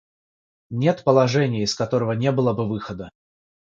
Нет положения, из которого не было бы выхода.